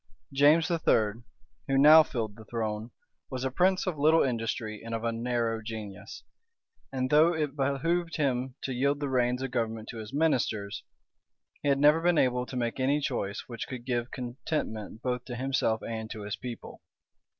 James III., who now filled the throne, was a prince of little industry and of a narrow genius; and though it behoved him to yield the reins of government to his ministers, he had never been able to make any choice which could give contentment both to himself and to his people.